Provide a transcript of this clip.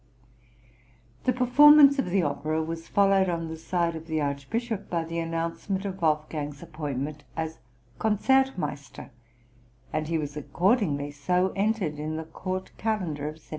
The performance of the opera was followed on the side of the Archbishop by the announcement of Wolfgang's appointment as Concertmeister, and he was accordingly so entered in the Court Calendar of 1770.